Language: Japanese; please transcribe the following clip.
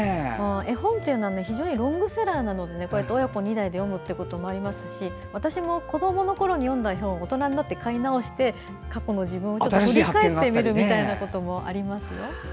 絵本っていうのは非常にロングセラーなので親から子へ読むってこともありますし私も子どものころに読んだ本を大人になって買い直して過去の自分を振り返ってみることもありますよ。